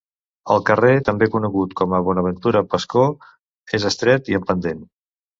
El carrer, també conegut com a Bonaventura Pascó, és estret i amb pendent.